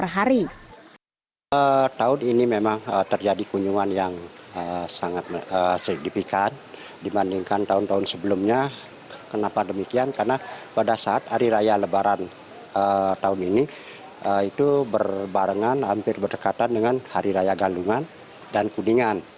hari raya lebaran tahun ini itu berbarengan hampir berdekatan dengan hari raya galungan dan kuningan